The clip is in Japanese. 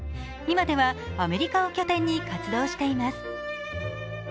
今ではアメリカを拠点に活動しています。